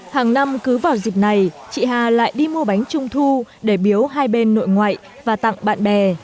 hàng năm cứ vào dịp này chị hà lại đi mua bánh trung thu để biếu hai bên nội ngoại và tặng bạn bè